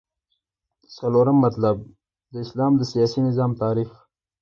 څلورم مطلب : د اسلام د سیاسی نظام تعریف